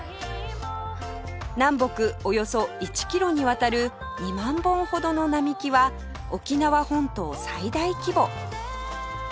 南北およそ１キロにわたる２万本ほどの並木は沖縄本島最大規模